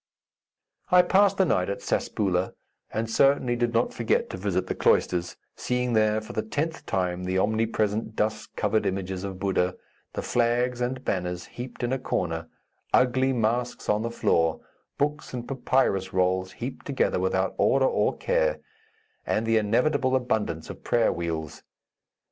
I passed the night at Saspoula and certainly did not forget to visit the cloisters, seeing there for the tenth time the omnipresent dust covered images of Buddha; the flags and banners heaped in a corner; ugly masks on the floor; books and papyrus rolls heaped together without order or care, and the inevitable abundance of prayer wheels.